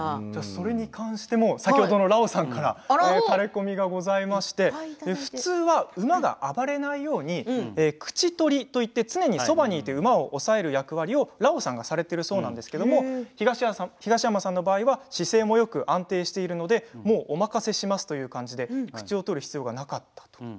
それに関しても先ほどのラオさんからタレコミがございまして普通は馬が暴れないように口取りといって常にそばにいて馬を抑える役割をラオさんがされているそうなんですけど東山さんの場合は姿勢もよく安定しているのでもうお任せしますという感じで口を取る必要がなかったと。